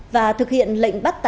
và thực hiện lệnh bắt tải